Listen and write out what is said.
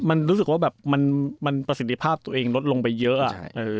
มันรู้สึกว่าแบบมันประสิทธิภาพตัวเองลดลงไปเยอะ